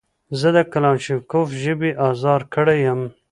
زه د کلاشینکوف ژبې ازار کړی یم.